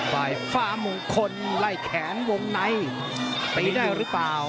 ฝ่ายฟ้ามงคลไล่แขนวงในตีได้หรือเปล่า